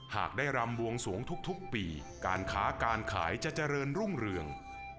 หากได้รำบวงสวงทุกปีการค้าการขายจะเจริญรุ่งเรือง